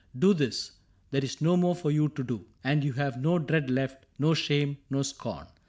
Do this, there is no more for you to do ; And you have no dread left, no shame, no scorn.